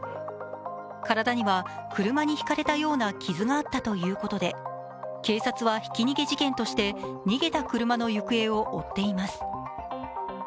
体には車にひかれたような傷があったということで警察は、ひき逃げ事件として逃げた車の行方を追っています。